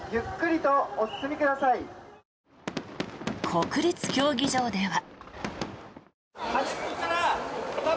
国立競技場では。